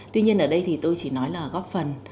tuy nhiên ở đây thì tôi chỉ nói là góp phần